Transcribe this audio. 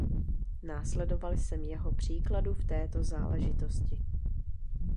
Následoval jsem jeho příkladu v této záležitosti.